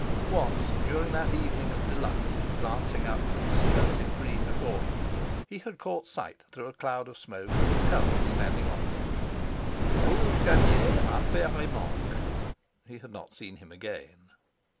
Once, during that evening of delight, glancing up from the seductive green before him, he had caught sight, through a cloud of smoke, of his cousin standing opposite. "Rouge gagne, impair, et manque!" He had not seen him again.